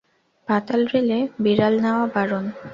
পাতাল রেলে বিড়াল নেওয়া বারণ।